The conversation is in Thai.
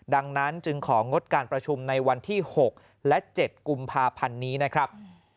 ดังนั้นจึงของงดการประชุมในวันที่๖และ๗กุมภาพันธ์นี้นะครับ